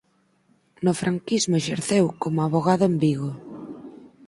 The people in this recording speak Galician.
No franquismo exerceu como avogado en Vigo.